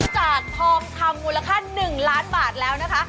จากทองคำมูลค่า๑ล้านบาทแล้วนะคะ